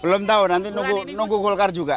belum tahu nanti nunggu golkar juga